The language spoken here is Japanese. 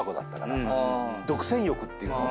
独占欲っていうの？